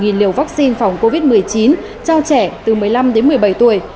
vì việc tiêm vaccine phòng covid một mươi chín cho trẻ từ một mươi năm đến một mươi bảy tuổi